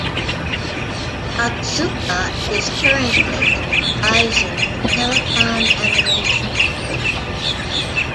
Otsuka is currently an advisor to Telecom Animation Film.